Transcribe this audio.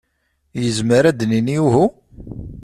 Yezmer ad d-nini uhu?